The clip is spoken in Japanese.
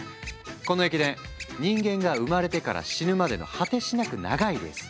この駅伝人間が生まれてから死ぬまでの果てしなく長いレース。